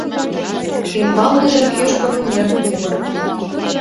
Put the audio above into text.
Ӱмбалныже кӱжгӧ вынер тувыр.